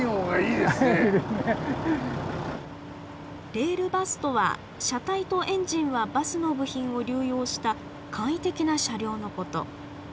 レールバスとは車体とエンジンはバスの部品を流用した簡易的な車両のこと。